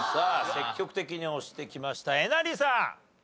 積極的に押してきましたえなりさん。